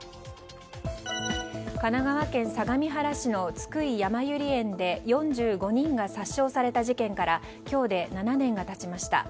神奈川県相模原市の津久井やまゆり園で４５人が殺傷された事件から今日で７年が経ちました。